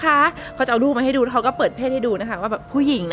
เขาจะเอารูปมาให้ดูแล้วเขาก็เปิดเพศให้ดูนะคะว่าแบบผู้หญิงนะ